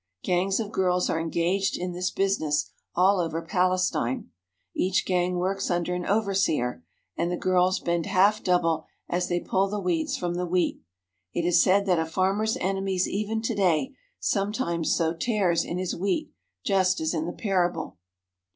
Gangs of girls are en gaged in this business all over Palestine. Each gang works under an overseer, and the girls bend half double as they pull the weeds from the wheat. It is said that a farmer's enemies even to day sometimes sow tares in his wheat, just as in the parable.